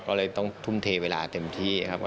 ก็เลยต้องทุ่มเทเวลาเต็มที่ครับ